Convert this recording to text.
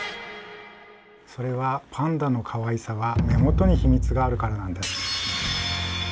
それはパンダのかわいさは目元に秘密があるからなんです。